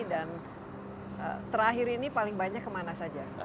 dan terakhir ini paling banyak kemana saja